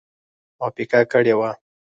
موافقه کړې وه.